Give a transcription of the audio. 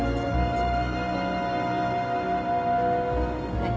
はい。